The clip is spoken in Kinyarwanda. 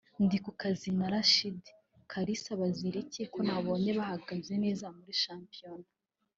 Ndikukazi na Rashid Kalisa bazira iki ko nabonye bahagaze neza muri shampiyona